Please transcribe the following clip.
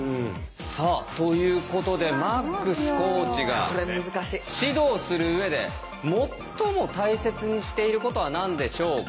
さあということでマックスコーチが指導するうえで最も大切にしていることは何でしょうか？